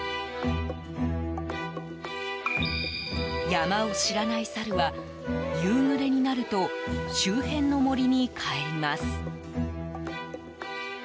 山を知らないサルは夕暮れになると周辺の森に帰ります。